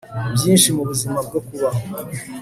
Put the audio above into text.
byinshi mubuzima bwo kubaho